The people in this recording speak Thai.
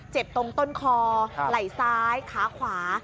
เจ็บตรงต้นคอไหล่ซ้ายขาขวา